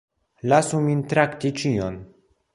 Lasu min trakti ĉion.